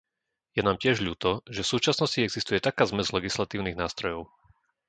Je nám tiež ľúto, že v súčasnosti existuje taká zmes legislatívnych nástrojov.